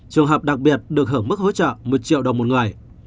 trường hợp đặc biệt được hưởng mức hỗ trợ một triệu đồng một người